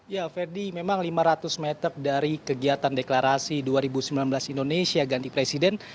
ya ferdi memang lima ratus meter dari kegiatan deklarasi dua ribu sembilan belas indonesia ganti presiden